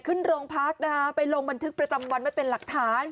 ขึ้นโรงพักนะคะไปลงบันทึกประจำวันไว้เป็นหลักฐาน